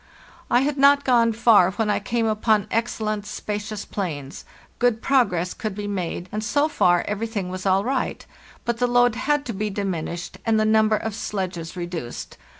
"Y had not gone far when I came upon excellent spacious plains; good progress could be made, and so far everything was all nght; but the load had to be diminished and the number of sledges reduced.